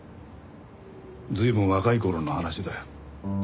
随分若い頃の話だよ。